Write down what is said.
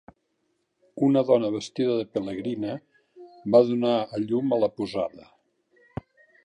Una dona vestida de pelegrina, va donar a llum a la posada.